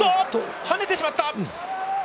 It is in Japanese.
はねてしまった！